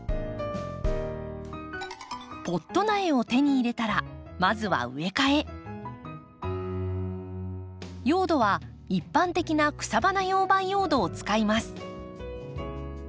ポット苗を手に入れたらまずは用土は一般的な草花用培養土を使います。